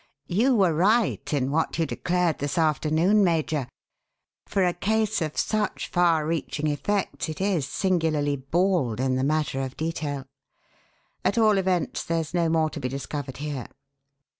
"You were right in what you declared this afternoon, Major; for a case of such far reaching effects it is singularly bald in the matter of detail. At all events there's no more to be discovered here.